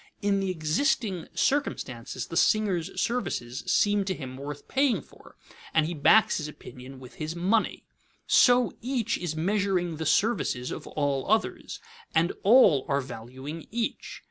In the existing circumstances, the singer's services seem to him worth paying for, and he backs his opinion with his money. So each is measuring the services of all others, and all are valuing each.